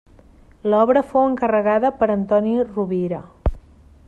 L'obra fou encarregada per Antoni Rovira.